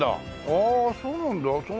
ああそうなんだ。